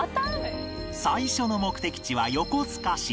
最初の目的地は横須賀市